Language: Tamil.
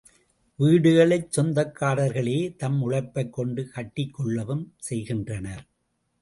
வீடுகளைச் சொந்தக்காரர்களே தம் உழைப்பைக் கொண்டு கட்டிக்கொள்ளவும் செய்கின்றனர்.